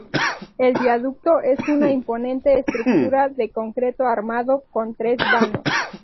El viaducto es una imponente estructura de concreto armado, con tres vanos.